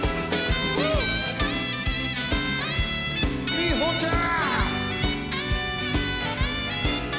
みほちゃん。